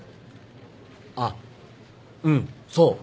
あっうんそう。